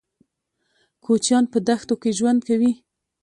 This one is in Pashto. کوچيان په دښتو کې ژوند کوي.